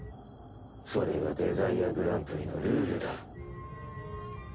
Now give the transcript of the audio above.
それがデザイアグランプリのルールだ。